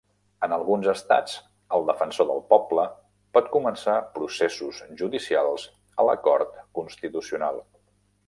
En alguns estats el defensor del poble pot començar processos judicials a la Cort Constitucional.